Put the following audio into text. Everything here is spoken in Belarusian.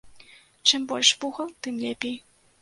Чым больш вугал, тым лепей.